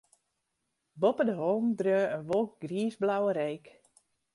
Boppe de hollen dreau in wolk griisblauwe reek.